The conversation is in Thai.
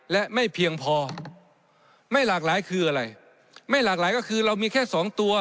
และไม่เพียงพอไม่หลากหลายคืออะไรไม่หลากหลายก็คือเรามีแค่สองตัว